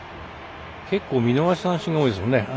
結構、見逃し三振が多いですよね。